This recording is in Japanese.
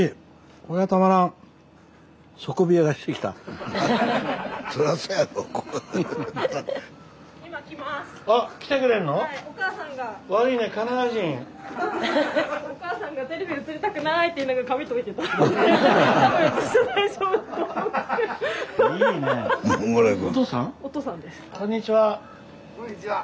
こんにちは。